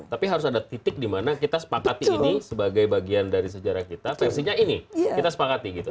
tapi harus ada titik dimana kita sepakati ini sebagai bagian dari sejarah kita versinya ini kita sepakati gitu